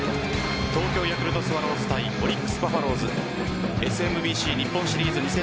東京ヤクルトスワローズ対オリックス・バファローズＳＭＢＣ日本シリーズ２０２２